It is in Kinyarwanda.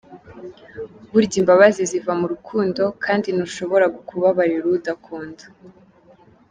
Burya imbabazi ziva mu rukundo, kandi ntushobora kubabarira uwo udakunda.